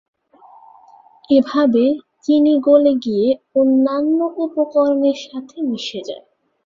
এভাবে চিনি গলে গিয়ে অন্যান্য উপকরণের সাথে মিশে যাবে।